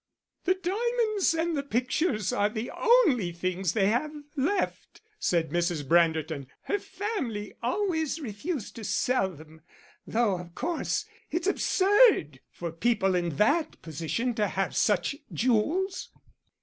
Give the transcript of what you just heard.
"The diamonds and the pictures are the only things they have left," said Mrs. Branderton; "her family always refused to sell them; though, of course, it's absurd for people in that position to have such jewels."